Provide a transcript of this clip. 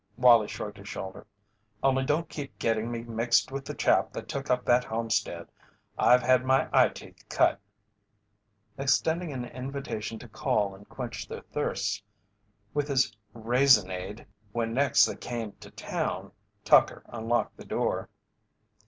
Wallie shrugged his shoulder. "Only don't keep getting me mixed with the chap that took up that homestead. I've had my eyeteeth cut." Extending an invitation to call and quench their thirsts with his raisinade when next they came to town, Tucker unlocked the door.